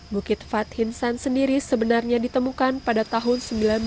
bukit fat hinsan sendiri sebenarnya ditemukan pada tahun seribu sembilan ratus sembilan puluh